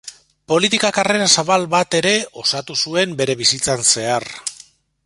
Politika karrera zabal bat ere osatu zuen bere bizitzan zehar.